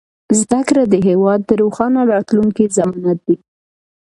زده کړه د هېواد د روښانه راتلونکي ضمانت دی.